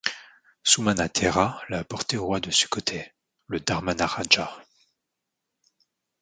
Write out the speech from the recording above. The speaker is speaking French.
Sumanathera l'a apportée au roi de Sukhothai, le Dharmmaraja.